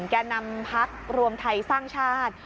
แก่นำพักรวมไทยสร้างชาติ